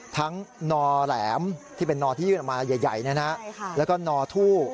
นอแหลมที่เป็นนอที่ยื่นออกมาใหญ่แล้วก็นอทู่